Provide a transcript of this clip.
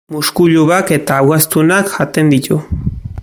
Muskuiluak eta ugaztunak jaten ditu.